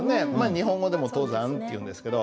日本語でも「登山」って言うんですけど。